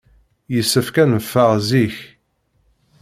Yessefk ad neffeɣ zik.